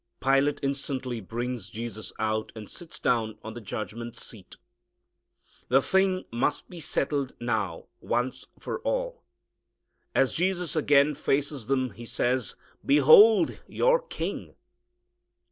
Pilate instantly brings Jesus out and sits down on the judgment seat. The thing must be settled now once for all. As Jesus again faces them he says, "_Behold! your King.